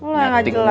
lo yang gak jelas